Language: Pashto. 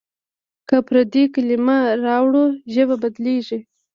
که پردۍ کلمې راوړو ژبه بدلېږي.